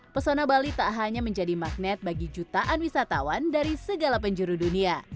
pesona bali tak hanya menjadi magnet bagi jutaan wisatawan dari segala penjuru dunia